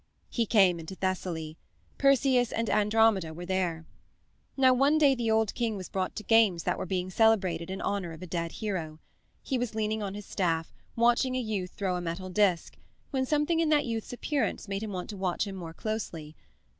He came into Thessaly. Perseus and Andromeda were there. Now, one day the old king was brought to games that were being celebrated in honor of a dead hero. He was leaning on his staff, watching a youth throw a metal disk, when something in that youth's appearance made him want to watch him more closely.